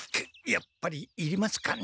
やっぱりいりますかね？